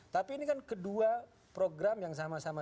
tapi ini kan kedua program yang sama sama